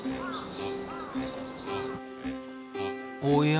おや？